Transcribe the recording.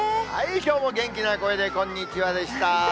きょうも元気な声でこんにちはでした。